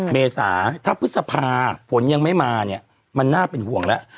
เมษาถ้าพฤษภาฝนยังไม่มาเนี่ยมันน่าเป็นห่วงแล้ว